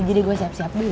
bagi deh gue siap siapin